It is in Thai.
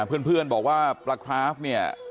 เพื่อนบอกว่าปลาคราฟเนี่ย